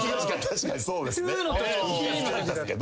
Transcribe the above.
確かにそうですね。